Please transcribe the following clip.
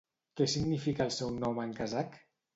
Què significa el seu nom en kazakh?